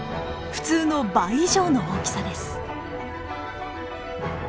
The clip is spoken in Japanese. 普通の倍以上の大きさです。